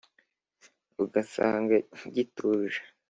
Ugasanga gituje